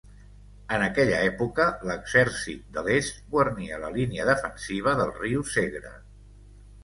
En aquella època l'Exèrcit de l'Est guarnia la línia defensiva del riu Segre.